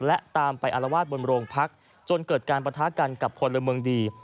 และตามไปอารวาสบนโรงพักจนเกิดการประทะกันกับพลเมืองดี